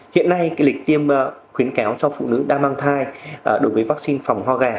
hiện nay lịch tiêm khuyến kéo cho phụ nữ đang mang thai đối với vaccine phòng hoa gà